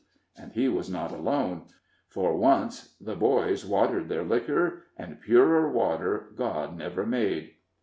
And he was not alone; for once the boys watered their liquor, and purer water God never made.